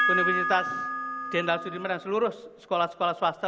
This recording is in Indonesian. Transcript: universitas jenderal sudirman dan seluruh sekolah sekolah swasta